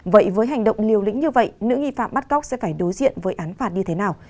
vậy với hành động liều lĩnh như vậy nữ nghi phạm bắt cóc sẽ phải đối diện với án phạt như thế nào